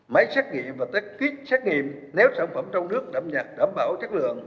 máy xét nghiệm và kích xét nghiệm nếu sản phẩm trong nước đảm bảo chất lượng